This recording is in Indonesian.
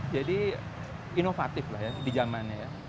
jadi inovatif lah ya di zamannya ya